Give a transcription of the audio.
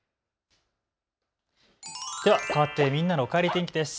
ではかわってみんなのおかえり天気です。